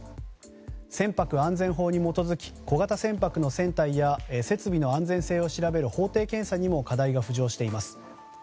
船舶安全法に基づき小型船舶の船体や設備の安全性を調べる法定検査にも課題が浮上しています。